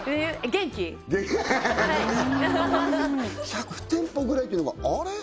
１００店舗ぐらいっていうのがあれ？